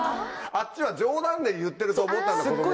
あっちは冗談で言ってると思ったんだ子供が。